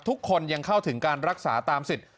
ทุกคนยังเข้าถึงการรักษาตามสิทธิ์